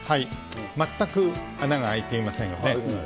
全く穴が開いていませんよね。